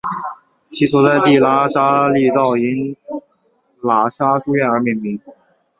其所在地喇沙利道因喇沙书院而命名。